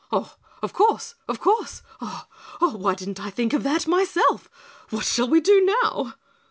"Of course! Of course! Oh! Oh! Why didn't I think of that myself? What shall we do now?"